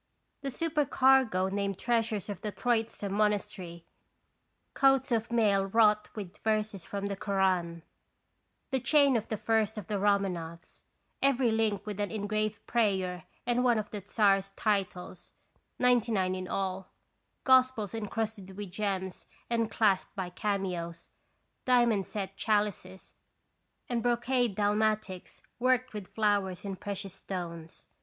The supercargo named treasures of the Troitsa monastery: coats of mail wrought with verses from the Koran; the chain of the first of the Roman offs, every link with an engraved prayer and one of the Czar's titles, ninety nine in all; Gospels encrusted with gems and clasped by cameos; diamond set chalices; and brocade dalmatics worked with flowers in precious stones.